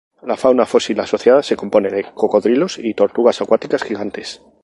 La fauna fósil asociada se compone de cocodrilos y tortugas acuáticas gigantes.